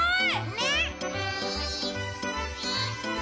ねっ！